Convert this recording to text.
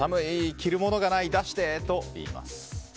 着るものがない、出して！と言います。